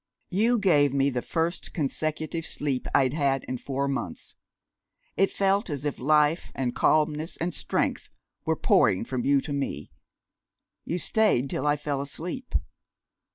You gave me the first consecutive sleep I'd had in four months. It felt as if life and calmness and strength were pouring from you to me. You stayed till I fell asleep."